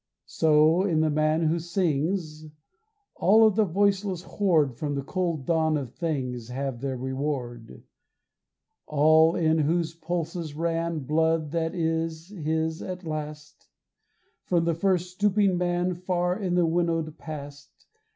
So, in the man who sings, All of the voiceless horde From the cold dawn of things Have their reward; All in whose pulses ran Blood that is his at last, From the first stooping man Far in the winnowed past.